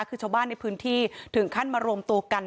คือชาวบ้านในพื้นที่ถึงขั้นมารวมตัวกัน